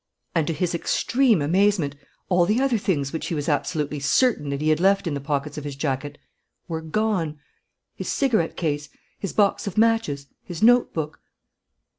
And, to his extreme amazement, all the other things which he was absolutely certain that he had left in the pockets of his jacket were gone: his cigarette case, his box of matches, his notebook.